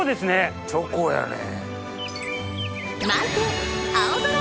チョコやね。